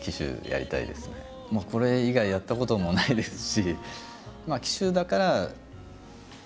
これ以外やったこともないですし。